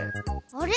あれ？